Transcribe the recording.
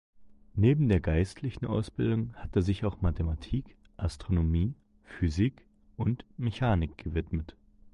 Neben der geistlichen Ausbildung hat er sich auch Mathematik, Astronomie, Physik und Mechanik gewidmet.